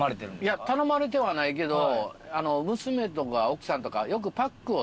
いや頼まれてはないけど。